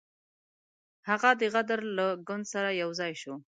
هغه د غدر له ګوند سره یو ځای شو.